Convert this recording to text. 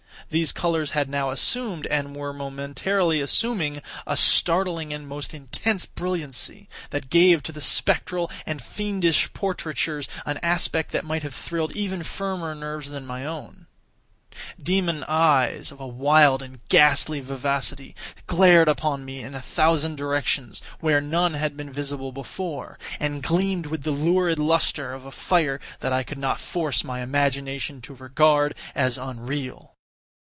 These colors had now assumed, and were momentarily assuming, a startling and most intense brilliancy, that gave to the spectral and fiendish portraitures an aspect that might have thrilled even firmer nerves than my own. Demon eyes, of a wild and ghastly vivacity, glared upon me in a thousand directions, where none had been visible before, and gleamed with the lurid lustre of a fire that I could not force my imagination to regard as unreal.